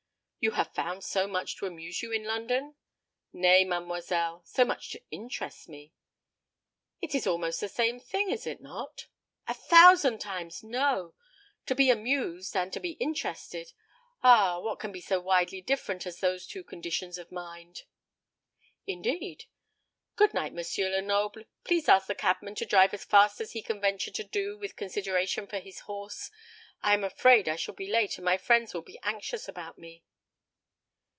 "You have found so much to amuse you in London?" "Nay, mademoiselle, so much to interest me." "It is almost the same thing, is it not?" "A thousand times no! To be amused and to be interested ah, what can be so widely different as those two conditions of mind!" "Indeed! Good night, Mr. Lenoble. Please ask the cabman to drive as fast as he can venture to do with consideration for his horse. I am afraid I shall be late, and my friends will be anxious about me."